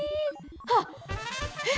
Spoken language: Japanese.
あっえっ！